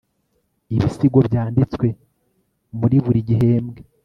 ibisigo byanditswe muri buri gihembwe